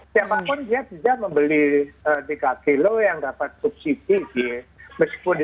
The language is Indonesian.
siapapun dia bisa membeli tiga kilo yang dapat subsidi gitu ya